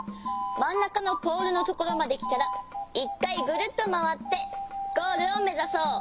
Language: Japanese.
まんなかのポールのところまできたら１かいぐるっとまわってゴールをめざそう。